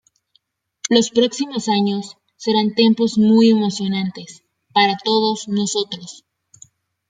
Los próximos años serán tiempos muy emocionantes para todos nosotros.